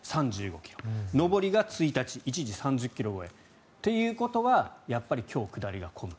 上りが１日一時、３０ｋｍ超えということはやっぱり今日下りが混む。